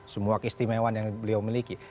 semua keistimewaan yang beliau miliki